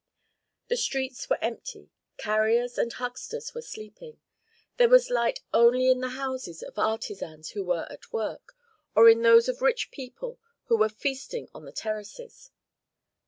The streets were empty; carriers and hucksters were sleeping. There was light only in the houses of artisans who were at work, or in those of rich people who were feasting on the terraces.